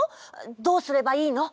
どうすればいいの？